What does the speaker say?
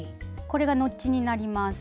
これがノッチになります。